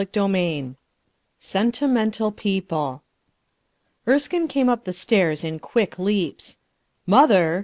CHAPTER X "sentimental" people ERSKINE came up the stairs in quick leaps, "Mother!"